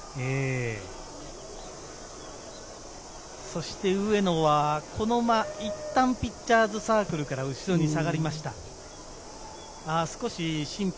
そして上野はこの間、いったんピッチャーズサークルから後ろに下がりました。